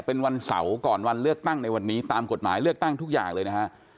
เป็นวันเสาร์ก่อนวันเลือกตั้งในวันนี้ตามกฎหมายเลือกตั้งทุกอย่างเลยนะฮะ